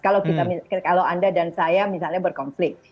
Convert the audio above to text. kalau anda dan saya misalnya berkonflik